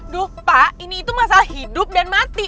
duh pak ini itu masalah hidup dan mati